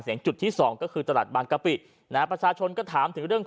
เสียงจุดที่๒ก็คือตลาดบางกะปินะประชาชนก็ถามถึงเรื่อง